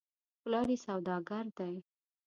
پلار یې سودا ګر دی .